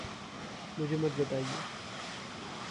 मुझे मत बताइए।